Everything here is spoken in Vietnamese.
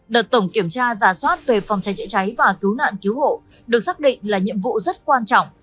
đợt tổng kiểm tra giả soát về phòng cháy chữa cháy và cứu nạn cứu hộ được xác định là nhiệm vụ rất quan trọng